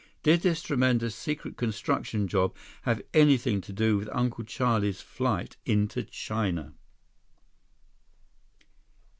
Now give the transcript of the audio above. Did this tremendous, secret construction job have anything to do with Uncle Charlie's flight into China?